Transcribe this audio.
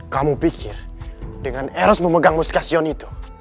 kamu pikir dengan eros memegang mustika xion itu